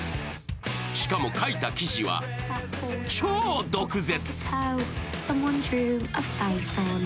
しかも書いた記事は超毒舌。